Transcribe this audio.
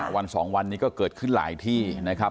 วันสองวันนี้ก็เกิดขึ้นหลายที่นะครับ